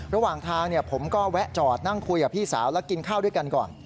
ระหว่างทางผมก็แวะจอดนั่งคุยกับพี่สาวแล้วกินข้าวด้วยกันก่อน